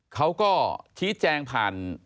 เขาก็ชี้แจงผ่าน